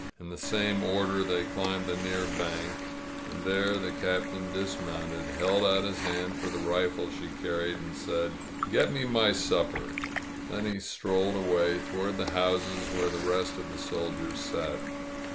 In the same order they climbed the near bank, and there the Captain dismounted, held out his hand for the rifle she carried, and said, "Get me my supper !" Then 104 ELIZABETTA he strolled away toward the houses where the rest of the soldiers sat.